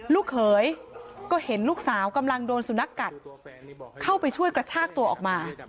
ลูกเขยก็เห็นลูกสาวกำลังโดนสุนัขกัดเข้าไปช่วยกระชากตัวออกมา